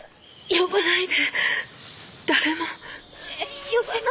呼ばないで。